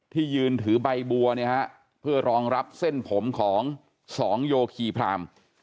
ที่ยืนถือใบบัวเนี่ยฮะเพื่อรองรับเส้นผมของสองโยคีพราม